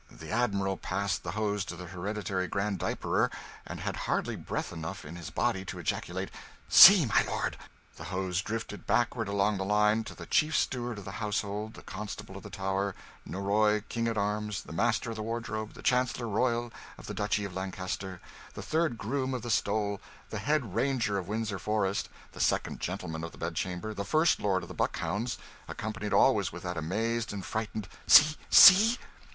The Admiral passed the hose to the Hereditary Grand Diaperer, and had hardly breath enough in his body to ejaculate, "See, my lord!" The hose drifted backward along the line, to the Chief Steward of the Household, the Constable of the Tower, Norroy King at Arms, the Master of the Wardrobe, the Chancellor Royal of the Duchy of Lancaster, the Third Groom of the Stole, the Head Ranger of Windsor Forest, the Second Gentleman of the Bedchamber, the First Lord of the Buckhounds, accompanied always with that amazed and frightened "See! see!"